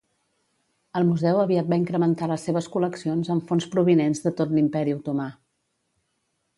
El museu aviat va incrementar les seves col·leccions amb fons provinents de tot l'Imperi otomà.